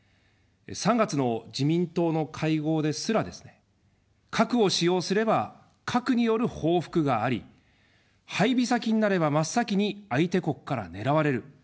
３月の自民党の会合ですらですね、核を使用すれば核による報復があり、配備先になれば真っ先に相手国から狙われる。